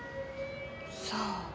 さあ？